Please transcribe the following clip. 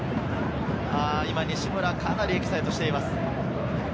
西村、かなりエキサイトしています。